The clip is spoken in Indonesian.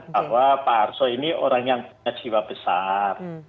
bahwa pak arso ini orang yang punya jiwa besar